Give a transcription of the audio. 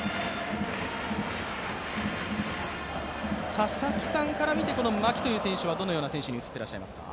佐々木さんから見て、牧という選手はどのような選手に映っていらっしゃいますか？